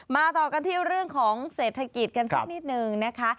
ต่อกันที่เรื่องของเศรษฐกิจกันสักนิดนึงนะคะ